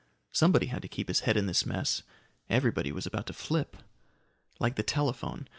Somebody had to keep his head in this mess. Everybody was about to flip. Like the telephone.